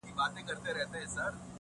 • افغانستان وم سره لمبه دي کړمه,